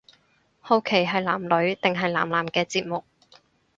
好奇係男女定係男男嘅節目